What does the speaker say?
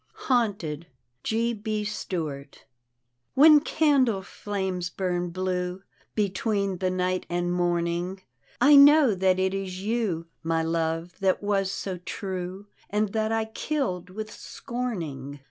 HAUNTED : o. b. stoart When candle flames bum blu^ Between the night and morning, I know that it is you, My love, that was so true, And that I killed with scorning.